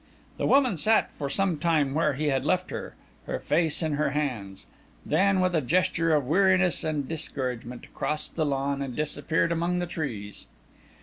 The woman sat for some time where he had left her, her face in her hands; then, with a gesture of weariness and discouragement, crossed the lawn and disappeared among the trees.